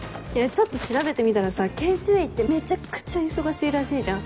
ちょっと調べてみたらさ研修医ってめちゃくちゃ忙しいらしいじゃん。